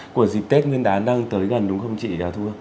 của dịp tết nguyên đán đang tới gần đúng không chị thu hương